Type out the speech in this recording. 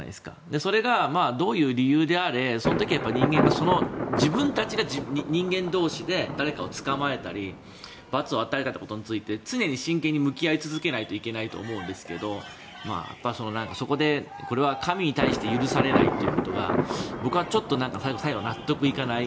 それがどういう理由であれその時、人間がその自分たちが人間同士で誰かを捕まえたり罰を与えたことについて常に真剣に向き合い続けなきゃいけないと思うんですがそこで、これは神に対して許されないということが僕はちょっと最後納得いかない。